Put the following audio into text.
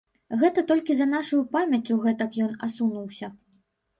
Гэта толькі за нашаю памяццю гэтак ён асунуўся.